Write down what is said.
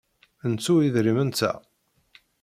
Nettu idrimen-nteɣ?